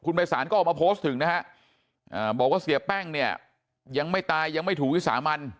ภัยศาลก็ออกมาโพสต์ถึงนะฮะบอกว่าเสียแป้งเนี่ยยังไม่ตายยังไม่ถูกวิสามัน